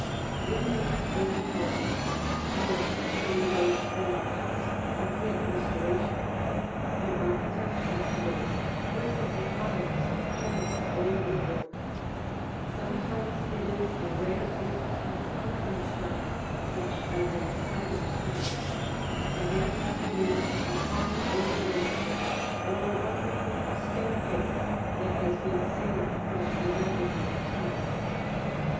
In these old houses, more especially those that are past complete restoration, the architect of to day frequently finds choice old woodwork. Sometimes it is a rare bit of pumpkin pine such as is seldom seen; again it is a fine old wainscot, or a wonderful staircase that has been saved from the ravages of time.